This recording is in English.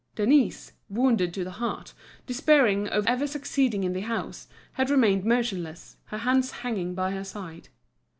Denise, wounded to the heart, despairing of ever succeeding in the house, had remained motionless, her hands hanging by her side.